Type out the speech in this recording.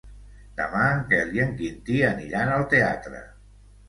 Demà en Quel i en Quintí aniran al teatre.